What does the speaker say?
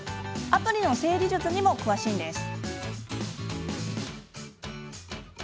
アプリの整理術にも詳しいんです。